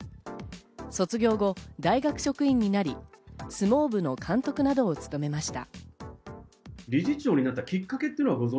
卒業後、大学職員になり、相撲部の監督などを務めました。